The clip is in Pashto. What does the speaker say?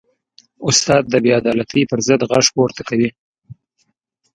استاد د بېعدالتۍ پر ضد غږ پورته کوي.